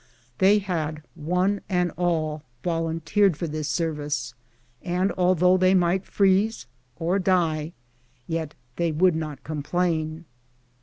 They had one and all volun teered for this service, and, although they might freeze or die, yet they would not complain.